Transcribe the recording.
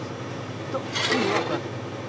どんなに弱くあってもいい。